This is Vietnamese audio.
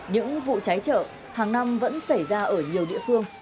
những vụ cháy chợ hàng năm vẫn xảy ra ở nhiều địa phương